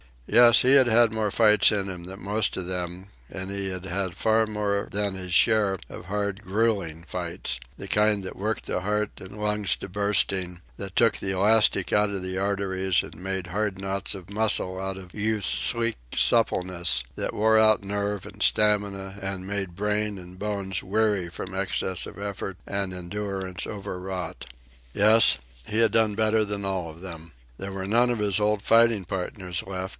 Yes, he had had more fights in him than most of them, and he had had far more than his share of the hard, gruelling fights the kind that worked the heart and lungs to bursting, that took the elastic out of the arteries and made hard knots of muscle out of Youth's sleek suppleness, that wore out nerve and stamina and made brain and bones weary from excess of effort and endurance overwrought. Yes, he had done better than all of them. There were none of his old fighting partners left.